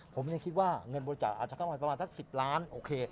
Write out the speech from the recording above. ผมก็คิดว่าเงินบริจาคอมมาประมาณ๑๐ล้านบาทโอเค